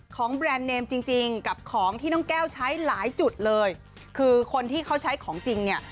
แบรนด์เนมจริงจริงกับของที่น้องแก้วใช้หลายจุดเลยคือคนที่เขาใช้ของจริงเนี่ย